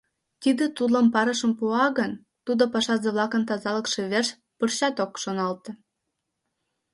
Тиде тудлан парышым пуа гын, тудо пашазе-влакын тазалыкше верч пырчат ок шоналте.